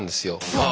ああ。